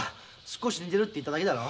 少し似てるって言っただけだろ。